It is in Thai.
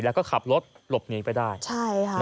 แล้วก็ขับรถหลบหนีไปได้